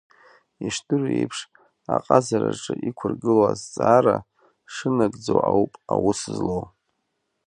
Ишдыру еиԥш, аҟазараҿы иқәыргылоу азҵаара шынагӡоу ауп аус злоу.